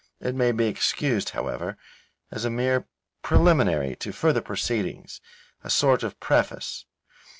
It may be excused, however, as a mere preliminary to further proceedings, a sort of preface.